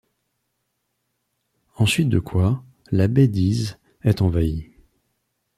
En suite de quoi, la baie d'Ise est envahie.